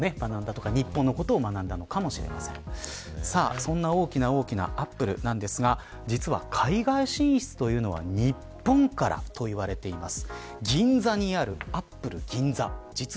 そんな大きな大きなアップルなんですが実は、海外進出というのは日本からと言われています。